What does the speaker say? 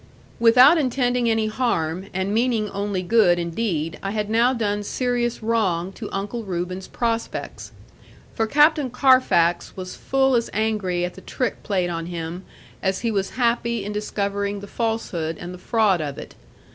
Without intending any harm, and meaning only good indeed, I had now done serious wrong to Uncle Reuben's prospects. For Captain Carfax was full as angry at the trick played on him as he was happy in discovering the falsehood and the fraud of it.